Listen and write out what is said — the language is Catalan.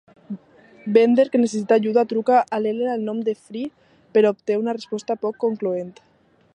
Bender, que necessita ajuda, truca a Leela en nom de Fry, però obté una resposta poc concloent.